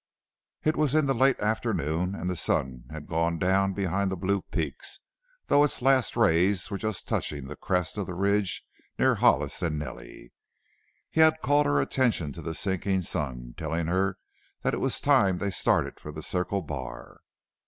It was in the late afternoon and the sun had gone down behind the Blue Peaks, though its last rays were just touching the crest of the ridge near Hollis and Nellie. He had called her attention to the sinking sun, telling her that it was time they started for the Circle Bar.